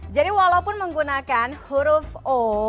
jadi walaupun menggunakan huruf o